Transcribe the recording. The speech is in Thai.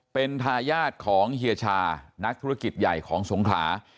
เป็นทายาทของเฮียชานักธุรกิจใหญ่ของสงขลา